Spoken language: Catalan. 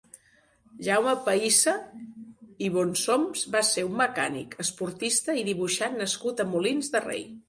Jaume Pahissa i Bonsoms va ser un mecànic, esportista i dibuixant nascut a Molins de Rei.